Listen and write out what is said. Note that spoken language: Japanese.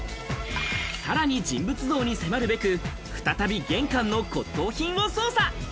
さらに人物像に迫るべく、再び玄関の骨董品を捜査。